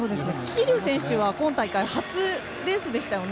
桐生選手は今大会初レースでしたね。